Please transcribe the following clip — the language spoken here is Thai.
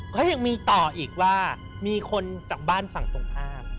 ก็ยังมีต่ออีกว่ามีคนจากบ้านฝั่งส่งภาพ